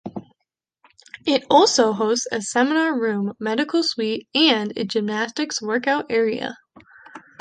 It also hosts a seminar room, medical suite, and a gymnastics workout area.